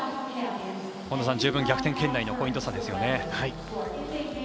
十分、逆転圏内のポイント差ですよね。